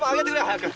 早く。